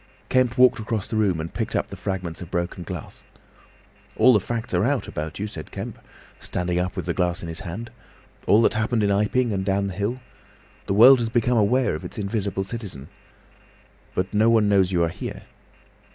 Kemp walked across the room and picked up the fragments of broken glass. "All the facts are out about you," said Kemp, standing up with the glass in his hand; "all that happened in Iping, and down the hill. The world has become aware of its invisible citizen. But no one knows you are here."